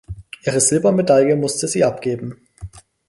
Ihre Silbermedaille musste sie abgeben.